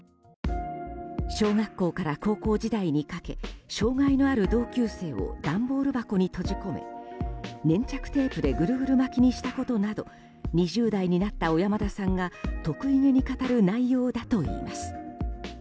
小学校から高校時代にかけ障害のある同級生を段ボール箱に閉じ込め粘着テープでぐるぐる巻きにしたことなど２０代になった小山田さんが得意げに語る内容だといいます。